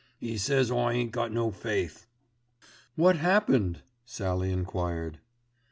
'E says I ain't got no faith." "What happened?" Sallie enquired.